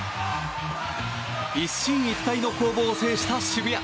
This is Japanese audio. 一進一退の攻防を制した渋谷。